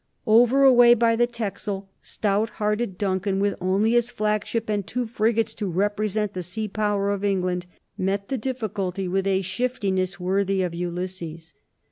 Over away by the Texel stout hearted Duncan, with only his flagship and two frigates to represent the sea power of England, met the difficulty with a shiftiness worthy of Ulysses.